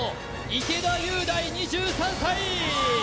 池田雄大２３歳